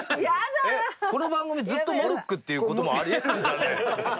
この番組ずっとモルックっていう事もあり得るんじゃねえの？